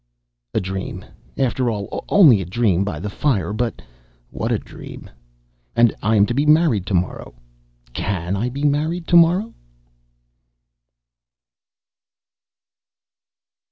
A dream! After all, only a dream by the fire, but what a dream! And I am to be married to morrow. Can I be married to morrow?